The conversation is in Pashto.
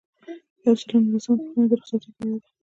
یو سل او نولسمه پوښتنه د رخصتیو په اړه ده.